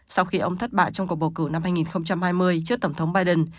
sau khi ông thất bại trong cuộc bầu cử năm hai nghìn hai mươi trước tổng thống biden